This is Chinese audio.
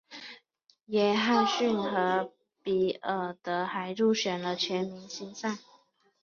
约翰逊和比尔德还入选了全明星赛。